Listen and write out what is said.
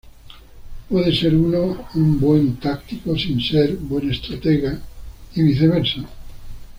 Puede ser uno un buen táctico, sin ser buen estratega, y viceversa.